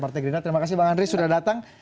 terima kasih bang andri sudah datang